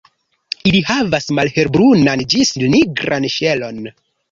Ili havas malhelbrunan ĝis nigran ŝelon.